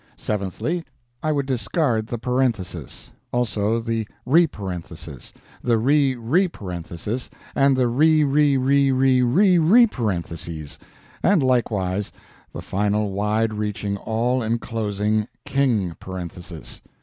Seventhly, I would discard the Parenthesis. Also the reparenthesis, the re reparenthesis, and the re re re re re reparentheses, and likewise the final wide reaching all enclosing king parenthesis.